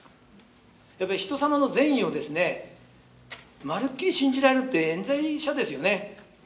やっぱりひとさまの善意をまるっきり信じられるってえん罪者ですよね。